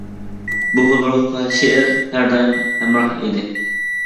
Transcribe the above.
بۇ خىل روھقا شېئىر ھەر دائىم ھەمراھ ئىدى.